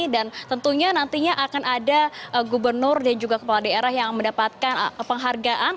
dan tentunya nantinya akan ada gubernur dan juga kepala daerah yang mendapatkan penghargaan